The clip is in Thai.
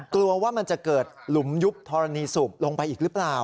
กลัวว่ามันจะเกิดหลุมยุบธรณีสูบลงไปอีกหรือเปล่า